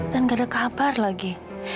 dan gak ada kabar lagi